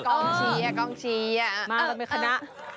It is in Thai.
กองเชียกองเชียเออเออเออเออเออเออเออเออเออเออ